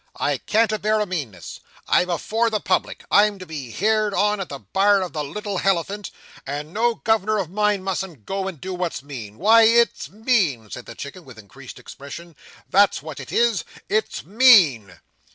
I can't abear a meanness. I'm afore the public, I'm to be heerd on at the bar of the Little Helephant, and no Gov'ner o' mine mustn't go and do what's mean. Wy, it's mean," said the Chicken, with increased expression. "That's where it is. It's mean."